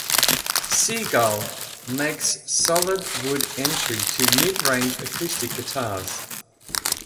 "Seagull" makes solid wood entry- to mid-range acoustic guitars.